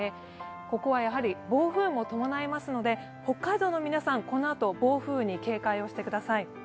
ここはやはり暴風雨も伴いますので、北海道の皆さんはこのあと暴風雨に警戒してください。